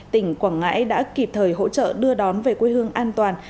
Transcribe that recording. tỉnh quảng ngãi đã kịp thời hỗ trợ đưa đón về quê hương an toàn